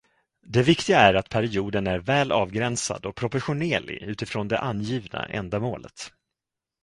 Det viktiga är att perioden är väl avgränsad och proportionerlig utifrån det angivna ändamålet.